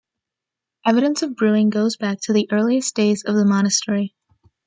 Evidence of brewing goes back to the earliest days of the monastery.